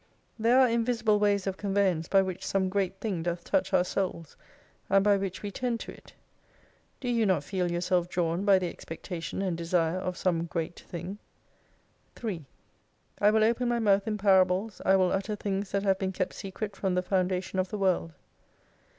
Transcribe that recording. There are invisible ways of conveyance by which some great thing doth touch our souls, and by which we tend to it. Do you not feel yourself drawn by the expectation and desire of some Great Thing ? 3 / will open my month in Parables^ I will utter things that have been kept secret from the foundation of the world.